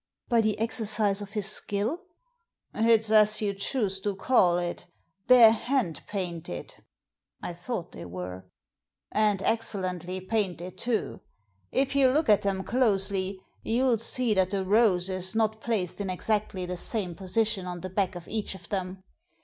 *' By the exercise of his skill ?" It's as you choose to call it They're hand painted" (I thought they were), "and excellently painted too. If you look at them closely you'll see that the rose is not placed in exactly the same position on the back of each of them.